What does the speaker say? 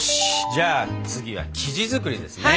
じゃあ次は生地作りですね？